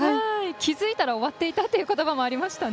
気付いたら終わっていたということばもありましたね。